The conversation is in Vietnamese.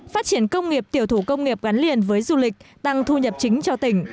phát triển công nghiệp tiểu thủ công nghiệp gắn liền với du lịch tăng thu nhập chính cho tỉnh